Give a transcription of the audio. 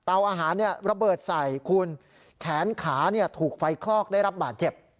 อาหารระเบิดใส่คุณแขนขาถูกไฟคลอกได้รับบาดเจ็บ